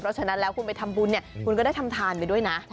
เพราะฉะนั้นแล้วคุณไปทำบุญเนี่ยคุณก็ได้ทำทานไปด้วยนะ